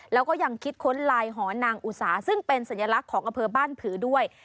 แล้วก็ยังคิดค้นลายหอนางอุสาซึ่งเป็นสัญลักษณ์ของอำเภอบ้านผือด้วย